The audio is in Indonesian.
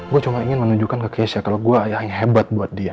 gue cuma ingin menunjukkan ke keisha kalau gue yang hebat buat dia